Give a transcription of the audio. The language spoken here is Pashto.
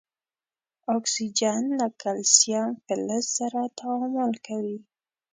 اکسیجن له کلسیم فلز سره تعامل کوي.